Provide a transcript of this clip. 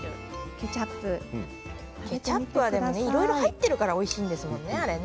ケチャップはいろいろ入っているからおいしいんですものね、あれね。